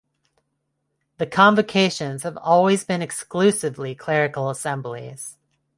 The Convocations have always been exclusively clerical assemblies.